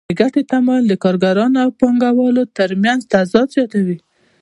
د ګټې تمایل د کارګرانو او پانګوالو ترمنځ تضاد زیاتوي